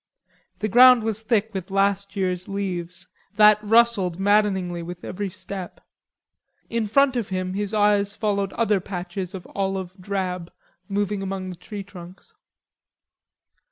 The ground was thick with last year's leaves that rustled maddeningly with every step. In front of him his eyes followed other patches of olive drab moving among the tree trunks.